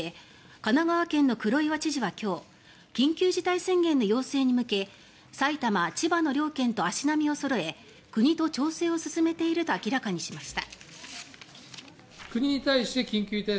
神奈川県の黒岩知事は今日緊急事態宣言の要請に向け埼玉、千葉の両県と足並みをそろえ国と調整を進めていると明らかにしました。